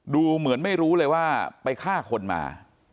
ดูเหมือนไม่รู้เลยว่าไปฆ่าคนมา